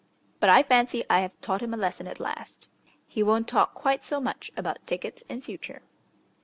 But I fancy I have taught him a lesson at last. He won't talk quite so much about tickets in future.